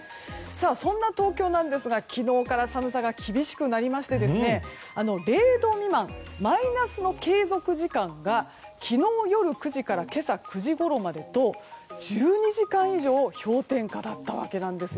そんな東京なんですが昨日から寒さが厳しくなりまして、０度未満マイナスの継続時間が昨日夜９時から今朝９時ごろまでと１２時間以上氷点下だったわけなんですよ。